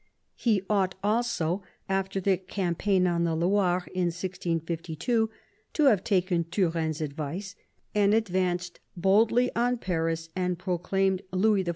He ought also, after the cam paign on the Loire, in 1652, to have taken Turenne^s advice and advanced boldly on Paris and proclaimed Louis XIV.